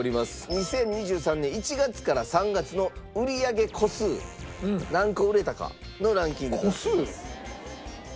２０２３年１月から３月の売り上げ個数何個売れたかのランキングとなっております。